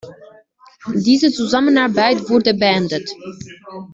Diese Zusammenarbeit wurde beendet.